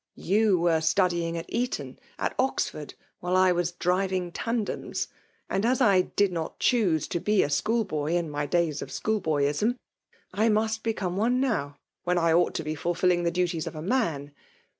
17m were studying at Eton^ at Oxfiord, when I was driving tandems ; and as I did not dioose to be a schoolboy in my days of adioolboyism, I Bost become one now, when I ought to be fill* fining the duties of a man.